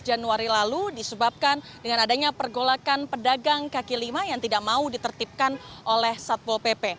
tidak ada yang bisa dihadapkan dengan adanya pergolakan pedagang kaki lima yang tidak mau ditertipkan oleh satpol pp